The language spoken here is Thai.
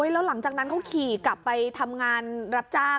แล้วหลังจากนั้นเขาขี่กลับไปทำงานรับจ้าง